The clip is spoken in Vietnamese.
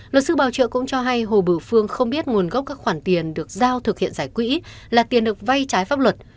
luật sư bào trợ cũng cho hay hồ bửu phương không biết nguồn gốc các khoản tiền được giao thực hiện giải quỹ là tiền được vay trái pháp luật